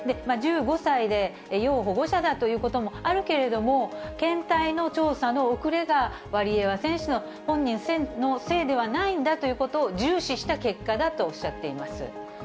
１５歳で要保護者だということもあるけれども、検体の調査の遅れが、ワリエワ選手の本人のせいではないんだということを重視した結果だとおっしゃっています。